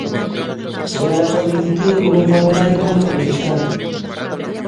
Chegará coa solicitude e cun informe médico e un informe social.